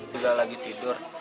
tidak lagi tidur